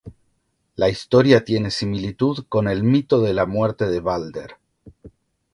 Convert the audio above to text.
La historia tiene similitud con el mito de la muerte de Balder.